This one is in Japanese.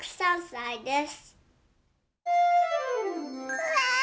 うわ！